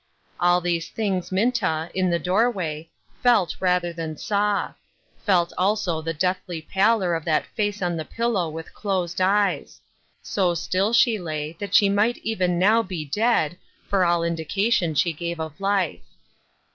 All these things Minta, in the doorway, felt rather than saw ; felt also the deathly pallor of that face on the pillow with closed eyes ; so still she lay that she might even now be dead, for all indication she gave of life.